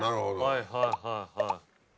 はいはいはいはい。